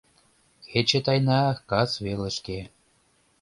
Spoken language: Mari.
Кече тайна кас велышке